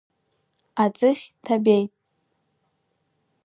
Аӡыхь ҭабеит…